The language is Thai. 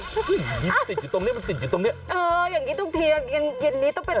ก็เกือบถูกแล้ว